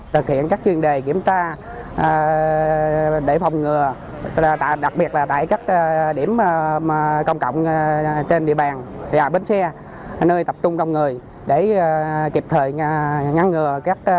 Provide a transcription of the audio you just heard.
thực hiện các chuyên đề kiểm tra để phòng ngừa đặc biệt là tại các điểm công cộng trên địa bàn bến xe nơi tập trung đông người để kịp thời ngăn ngừa